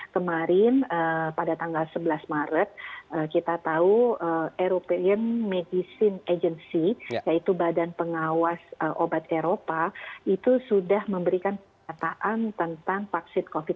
kemarin pada tanggal sebelas maret kita tahu european medicine agency yaitu badan pengawas obat eropa itu sudah memberikan pernyataan tentang vaksin covid sembilan belas